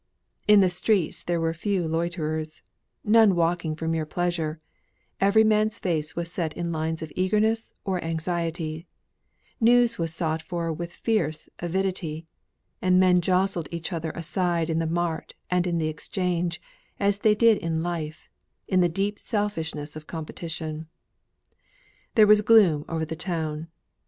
In the streets there were few loiterers, none walking for mere pleasure; every man's face was set in lines of eagerness or anxiety; news was sought for with fierce avidity; and men jostled each other aside in the Mart and in the Exchange, as they did in life, in the deep selfishness of competition. There was gloom over the town.